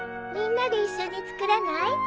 みんなで一緒に作らない？